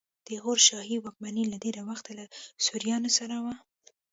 د غور شاهي واکمني له ډېره وخته له سوریانو سره وه